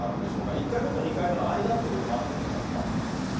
１回目と２回目の間っていうこともあると思いますが。